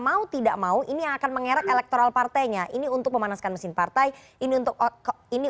mau tidak mau ini akan mengerek elektoral partainya ini untuk memanaskan mesin partai ini untuk ini